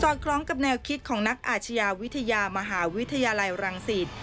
คล้องกับแนวคิดของนักอาชญาวิทยามหาวิทยาลัยรังสิต